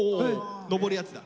上るやつだ。